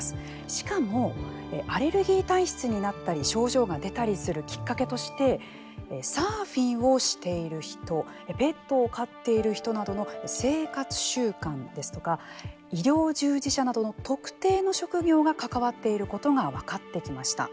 しかもアレルギー体質になったり症状が出たりするきっかけとしてサーフィンをしている人ペットを飼っている人などの生活習慣ですとか医療従事者などの特定の職業が関わっていることが分かってきました。